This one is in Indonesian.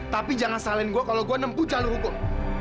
tapi jangan saling gue kalau gue enam puluh jalur hukum